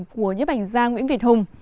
của nhất ảnh giang nguyễn việt hùng